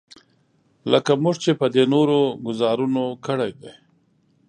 لکه موږ چې په دې نورو ګوزارونو کړی دی.